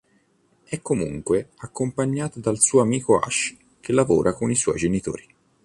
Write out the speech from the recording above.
È comunque accompagnata dal suo amico Ash che lavorava con i suoi genitori.